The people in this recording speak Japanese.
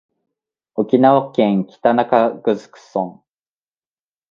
沖縄県北中城村